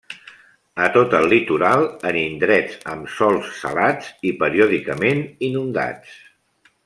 A tot el litoral en indrets amb sòls salats i periòdicament inundats.